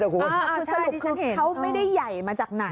คือสรุปคือเขาไม่ได้ใหญ่มาจากไหน